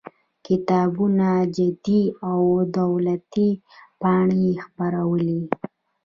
کتابونه جریدې او دولتي پاڼې یې خپرولې.